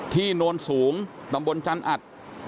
ที่โน้นสูงตำบลจันทร์อัด